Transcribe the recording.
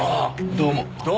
どうも。